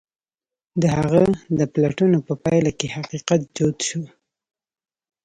د هغه د پلټنو په پايله کې حقيقت جوت شو.